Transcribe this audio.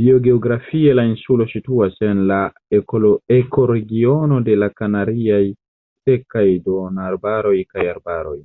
Biogeografie la insulo situas en la ekoregiono de la kanariaj sekaj duonarbaroj kaj arbaroj.